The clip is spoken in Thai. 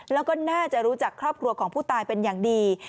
แล้วก็น่าจะรู้จักครอบครัวของผู้ตายเป็นอย่างดี